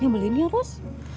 yang beliin nih harus